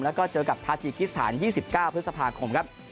แล้วก็เจอกับทาจีกิสถาน๒๙พฤษภาคมครับ